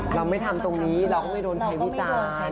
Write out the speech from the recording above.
เราไม่ทำตรงนี้เราก็ไม่โดนใครวิจารณ์